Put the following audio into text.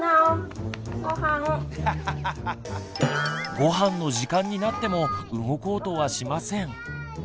ごはんの時間になっても動こうとはしません。